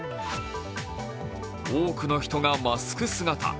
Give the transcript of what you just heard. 多くの人がマスク姿。